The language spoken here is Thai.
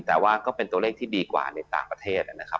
แต่ว่าก็เป็นตัวเลขที่ดีกว่าในต่างประเทศนะครับ